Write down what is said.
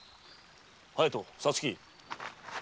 隼人皐月。